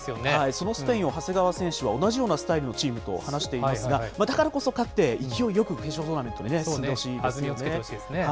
そのスペインを長谷川選手は同じようなスタイルのチームと話していますが、だからこそ勝って、勢いよく決勝トーナメントに進んでほしいなと思いますね。